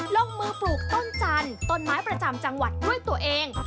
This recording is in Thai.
ลงมือปลูกต้นจันทร์ต้นไม้ประจำจังหวัดด้วยตัวเอง